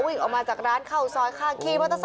วิ่งออกมาจากร้านเข้าซอยข้าง